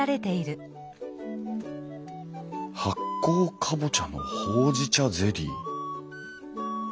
「発酵カボチャのほうじ茶ゼリー」？